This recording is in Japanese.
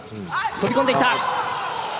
飛び込んでいった！